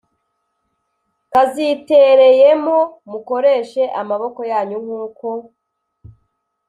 kazitereyemo mukoreshe amaboko yanyu nk uko